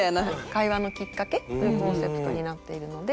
「会話のきっかけ」というコンセプトになっているので。